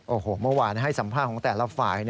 โอ้โหเมื่อวานให้สัมภาษณ์ของแต่ละฝ่าย